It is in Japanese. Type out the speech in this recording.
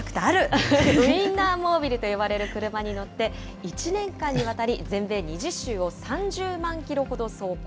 ウィンナーモービルと呼ばれる車に乗って、１年間にわたり全米２０州を３０万キロほど走行。